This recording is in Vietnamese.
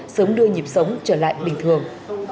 sớm đưa nhịp sống trở lại bình thường